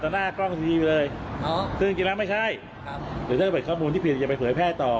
หรือถ้าเป็นข้อมูลที่ผิดอย่าไปเผยแพร่ต่อ